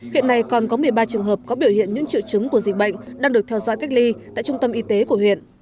huyện này còn có một mươi ba trường hợp có biểu hiện những triệu chứng của dịch bệnh đang được theo dõi cách ly tại trung tâm y tế của huyện